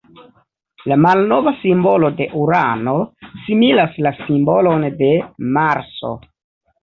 La malnova simbolo de Urano similas la simbolon de Marso.